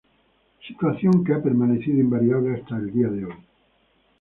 Situación que ha permanecido invariable hasta el día de hoy.